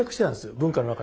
文化の中で。